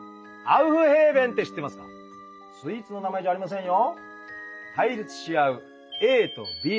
スイーツの名前じゃありませんよ。